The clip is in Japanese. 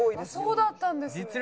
そうだったんですね。